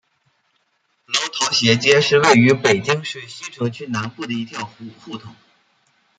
楼桃斜街是位于北京市西城区南部的一条胡同。